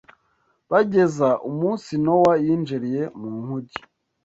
bageza umunsi Nowa yinjiriye mu nkuge